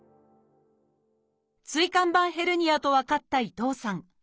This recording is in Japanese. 椎間板ヘルニアと分かった伊藤さん。